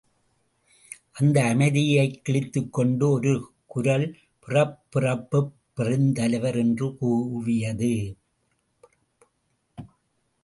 அந்த அமைதியைக் கிழித்துக் கொண்டு ஒரு குரல் பிறப்பிறப்புப் பெருந்தலைவர் என்று கூவியது.